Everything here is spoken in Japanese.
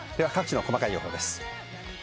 各地の細かい予報です。